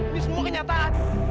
ini semua kenyataan